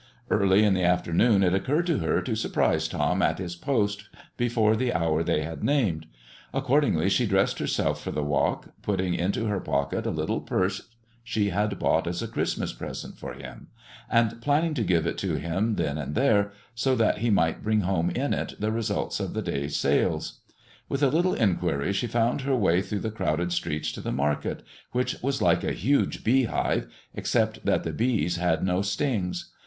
Early in the afternoon it occurred to her to surprise Tom at his post before the hour they had named. Accordingly she dressed herself for the walk, putting into her pocket a little purse she had bought as a Christmas gift for him, and planning to give it to him then and there, so that he might bring home in it the results of the day's sales. With a little inquiry she found her way through the crowded streets to the market, which was like a huge beehive except that the bees had no stings.